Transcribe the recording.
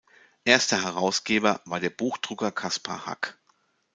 Erster Herausgeber war der Buchdrucker Caspar Hack.